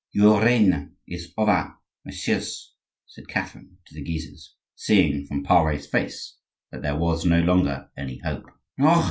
"Your reign is over, messieurs," said Catherine to the Guises, seeing from Pare's face that there was no longer any hope. "Ah!